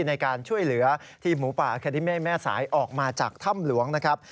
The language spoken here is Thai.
ในการช่วยเหลือทีมหมูป่าอาแคดิเมฆแม่สายออกมาจากถ้ำหลวงนะครับ